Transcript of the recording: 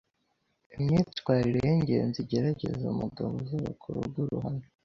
Imyitwerire y’ingenzi igeregeze umugebo uzubeke urugo ruhemye